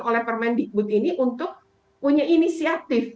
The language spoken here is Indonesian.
oleh permendikbud ini untuk punya inisiatif